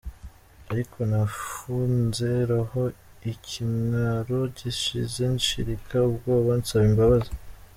Ariko nafunze roho, ikimwaro gishize nshirika ubwoba nsaba imbabazi.